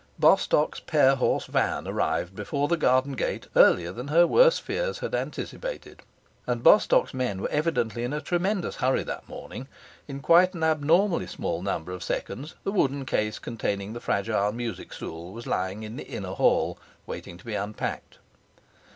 Bostock's pair horse van arrived before the garden gate earlier than her worse fears had anticipated, and Bostock's men were evidently in a tremendous hurry that morning. In quite an abnormally small number of seconds the wooden case containing the fragile music stool was lying in the inner hall, waiting to be unpacked.